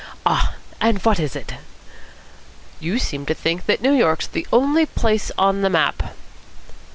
"Ah! And what is it?" "You seem to think New York's the only place on the map."